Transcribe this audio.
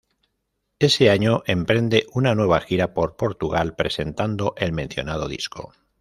Ese año emprende una nueva gira por Portugal presentando el mencionado disco.